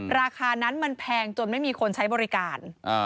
ราคานั้นมันแพงจนไม่มีคนใช้บริการ